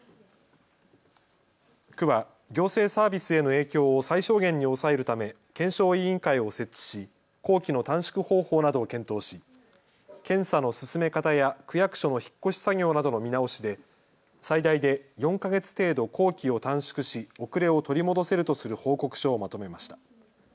区は行政サービスへの影響を最小限に抑えるため検証委員会を設置し工期の短縮方法などを検討し検査の進め方や区役所の引っ越し作業などの見直しで最大で４か月程度、工期を短縮し遅れを取り戻せるとする報告書をまとめました。